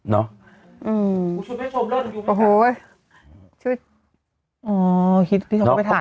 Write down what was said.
เนาะอืมโอ้โหชุดอ๋อฮิตที่เขาไปถ่าย